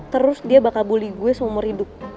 terus dia bakal bully gue seumur hidup